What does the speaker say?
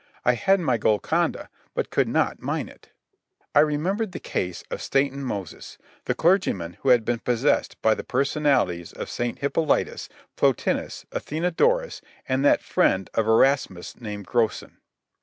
I had my Golconda but could not mine it. I remembered the case of Stainton Moses, the clergyman who had been possessed by the personalities of St. Hippolytus, Plotinus, Athenodorus, and of that friend of Erasmus named Grocyn.